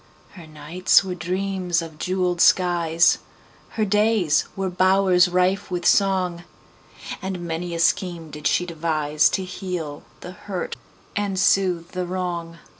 Her nights were dreams of jeweled skies, Her days were bowers rife with song, And many a scheme did she deviseTo heal the hurt and soothe the wrong.